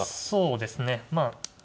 そうですねまあ。